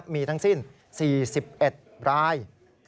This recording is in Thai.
มีทั้งสิ้น๔๑ราย